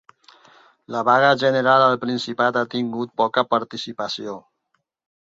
La vaga general al Principat ha tingut poca participació